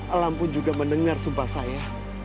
alam pun juga mendengar sumpah saya